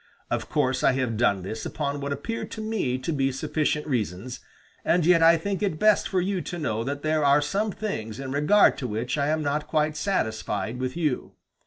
Of course I have done this upon what appear to me to be sufficient reasons, and yet I think it best for you to know that there are some things in regard to which I am not quite satisfied with you.